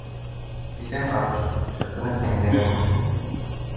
Кеҫәһен ҡапшап, шырпыны Әминәгә бирҙе: